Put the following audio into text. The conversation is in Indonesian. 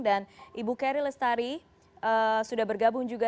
dan ibu kary lestari sudah bergabung juga